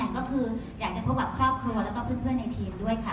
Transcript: ก็คืออยากจะพบกับครอบครัวแล้วก็เพื่อนในทีมด้วยค่ะ